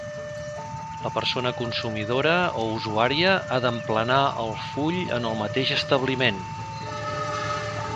La persona consumidora o usuària ha d'emplenar el full en el mateix establiment.